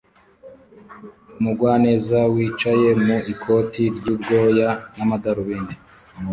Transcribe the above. Umugwaneza wicaye mu ikoti ry'ubwoya n'amadarubindi